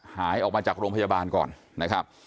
หายออกมาจากโรงพยาบาลก่อนนะครับ